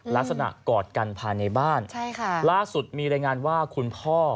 ลักษณะกอดกันภายในบ้านใช่ค่ะล่าสุดมีรายงานว่าคุณพ่อ